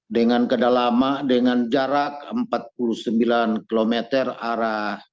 dengan kedalaman dengan jarak empat puluh sembilan km arah